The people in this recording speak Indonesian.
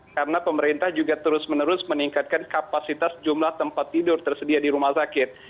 karena pemerintah juga terus menerus meningkatkan kapasitas jumlah tempat tidur tersedia di rumah sakit